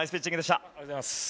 ありがとうございます。